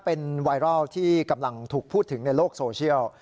เป็นไวรัลที่กำลังถูกพูดถึงในโลกโซเชียล